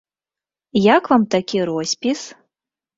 Як вам такі роспіс?